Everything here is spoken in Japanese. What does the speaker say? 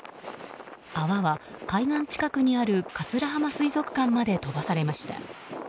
泡は海岸近くにある桂浜水族館まで飛ばされました。